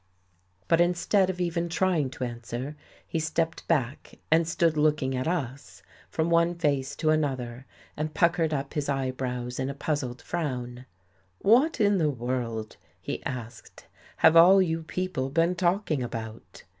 But instead of even trying to answer, he stepped back and stood looking at us, from one face to an other and puckered up his eyebrows in a puzzled frown. '' What in the world," he asked, " have all you people been talking about?